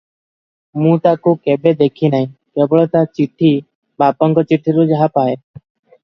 ମୁଁ ତାକୁ କେବେ ଦେଖି ନାହିଁ- କେବଳ ତା' ଚିଠି ବାପାଙ୍କ ଚିଠିରୁ ଯାହା ପାଏ ।